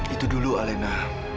itu dulu alina